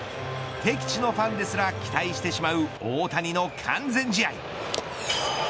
敵地のファンですら期待してしまう大谷の完全試合。